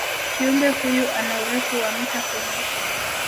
kiumbe huyu ana urefu wa mita kumi